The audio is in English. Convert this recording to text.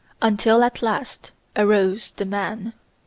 "Until at last arose the Man."